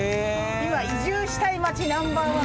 今移住したい街ナンバーワン。